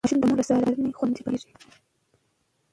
ماشوم د مور له څارنې خوندي پاتې کېږي.